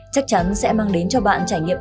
chắc chắn sẽ mang đến cho bạn trải nghiệm